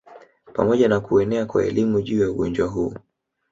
Pamoja na kuenea kwa elimu juu ya ugonjwa huu